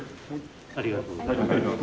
ありがとうございます。